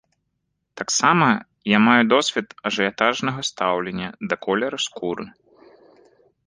Таксама я маю досвед ажыятажнага стаўлення да колеру скуры.